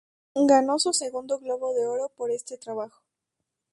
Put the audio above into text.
Ganó su segundo Globo de Oro por este trabajo.